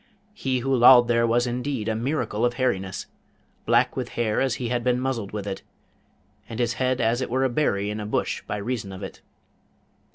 He who lolled there was indeed a miracle of hairiness, black with hair as he had been muzzled with it, and his head as it were a berry in a bush by reason of it.